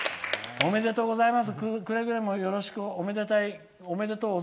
ありがとうございます。